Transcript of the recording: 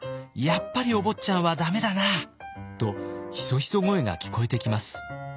やっぱりお坊ちゃんはダメだな」とひそひそ声が聞こえてきます。